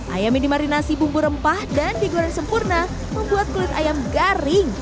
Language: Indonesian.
ayam minimarinasi bumbu rempah dan digoreng sempurna membuat kulit ayam garing